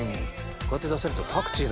こうやって出されるとパクチー。